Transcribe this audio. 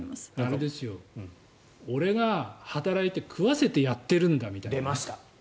あれです、俺が働いて食わせてやってるんだみたいな。